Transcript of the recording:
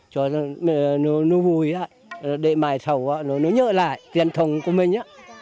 cho nó vui để mài sầu nó nhớ lại truyền thống của mình